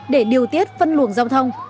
để điều tiết phân luồng giao thông